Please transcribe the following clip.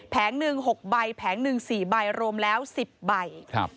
หนึ่ง๖ใบแผงหนึ่ง๔ใบรวมแล้ว๑๐ใบ